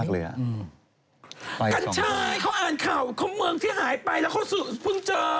กัญชัยเขาอ่านข่าวเขาเมืองที่หายไปแล้วเขาเพิ่งเจอ